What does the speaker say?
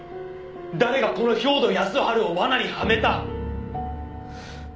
「誰がこの兵働耕春を罠にはめた！？」